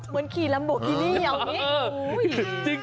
เหมือนกี่ลำบกอีนี่เยาวนี้